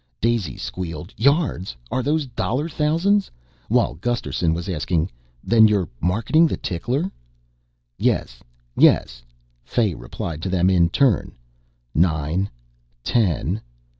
Daisy squealed, "Yards! are those dollar thousands?" while Gusterson was asking, "Then you're marketing the tickler?" "Yes. Yes," Fay replied to them in turn. "... Nine ... ten